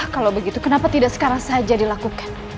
kalau begitu kenapa tidak sekarang saja dilakukan